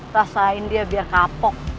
rasain dia biar kapok